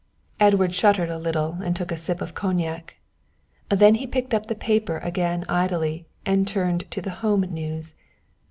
Edward shuddered a little and took a sip of cognac. Then he picked up the paper again idly and turned to the home news.